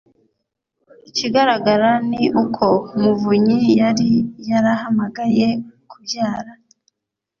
Ikigaragara ni uko Muvunyi yari yarahamagaye kubyara